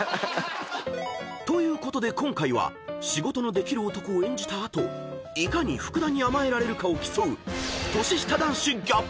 ［ということで今回は仕事のできる男を演じた後いかに福田に甘えられるかを競う］